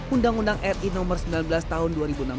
undang undang ri nomor sembilan belas tahun dua ribu enam belas